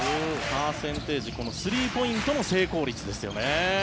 パーセンテージこのスリーポイントの成功率ですよね。